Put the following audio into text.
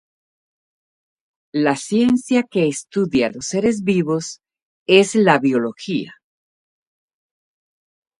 La ciencia que estudia los seres vivos es la biología.